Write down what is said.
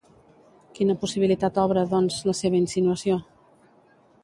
Quina possibilitat obre, doncs, la seva insinuació?